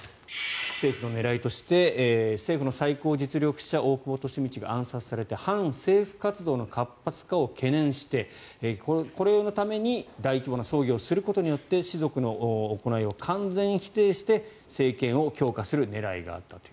政府の狙いとして政府の最高実力者の大久保利通が暗殺されて反政府活動の活発化を懸念してこのために大規模な葬儀をすることによって士族の行いを完全否定して政権を強化する狙いがあったと。